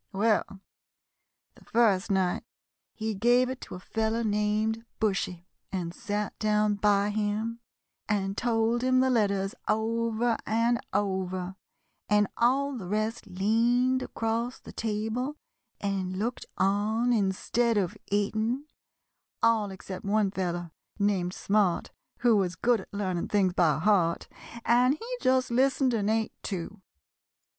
"Well, the first night he gave it to a fellow named Bushy and sat down by him and told him the letters over and over, and all the rest leaned across the table and looked on instead of eating, all except one fellow, named Smart, who was good at learning things by heart, and he just listened and ate, too.